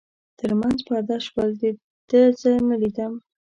تر منځ پرده شول، ده زه نه لیدم.